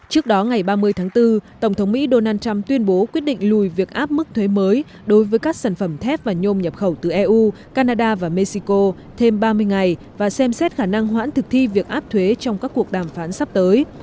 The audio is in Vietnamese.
trước đó ngày ba mươi tháng bốn tổng thống mỹ donald trump tuyên bố quyết định lùi việc áp mức thuế mới đối với các sản phẩm thép và nhôm nhập khẩu từ eu canada và mexico thêm ba mươi ngày và xem xét khả năng hoãn thực thi việc áp thuế trong các cuộc đàm phán sắp tới